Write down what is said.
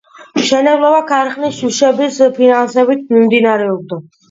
მშენებლობა ქარხნის მუშების ფინანსებით მიმდინარეობდა.